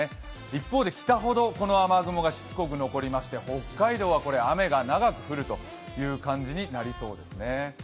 一方で北ほどこの雨雲がしつこく残りまして北海道は雨が長く降るという感じになりそうですね。